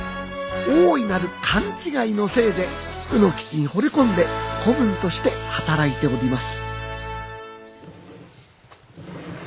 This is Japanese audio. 大いなる勘違いのせいで卯之吉にほれ込んで子分として働いております。